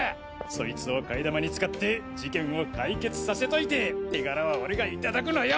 そいつを替え玉に使って事件を解決させといて手柄は俺が頂くのよ。